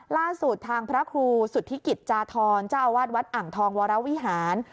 ล่าสุดทางพระครูสุธิกิจจาธรเจ้าอาวาสวัดอ่างทองวรวิหาร